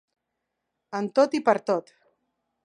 En tot i per tot.